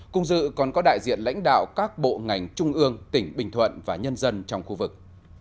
cùng dự còn có đại diện lãnh đạo các bộ ngành trung ương tỉnh bình thuận và nhân dân trong khu vực